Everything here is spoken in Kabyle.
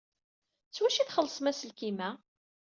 S wacu ay txellṣem aselkim-a?